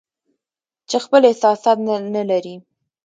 چې خپل احساسات نه لري